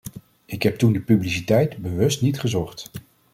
Ik heb toen de publiciteit bewust niet gezocht.